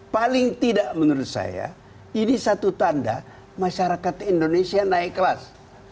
paling tidak menurut saya ini satu tanda masyarakat indonesia naik kelas